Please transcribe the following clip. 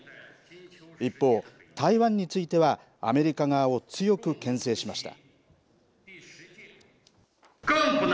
一方、台湾についてはアメリカ側を強くけん制しました。